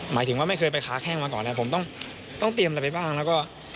หมายถึงว่าไม่เคยไปค้าแข้งมาก่อนเลยผมต้องเตรียมอะไรไปบ้างแล้วก็